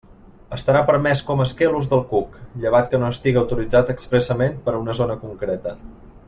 Estarà permés com a esquer l'ús de cuc, llevat que no estiga autoritzat expressament per a una zona concreta.